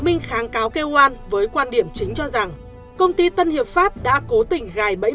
minh kháng cáo kêu oan với quan điểm chính cho rằng công ty tân hiệp pháp đã cố tình gài bẫy